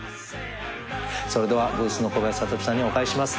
それではブースの小林聡美さんにお返しします。